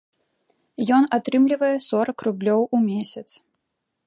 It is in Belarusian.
Ён атрымлівае сорак рублёў у месяц.